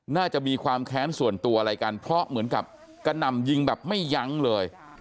น่าจะมีความแค้นส่วนตัวอะไรกันเพราะเหมือนกับกระหน่ำยิงแบบไม่ยั้งเลย